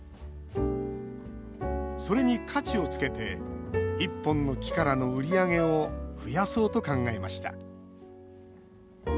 それに価値をつけて１本の木からの売り上げを増やそうと考えました。